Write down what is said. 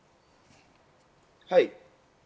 はい。